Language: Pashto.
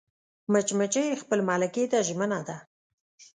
مچمچۍ خپل ملکې ته ژمنه ده